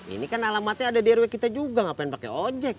ini kan alamatnya ada di rw kita juga ngapain pakai ojek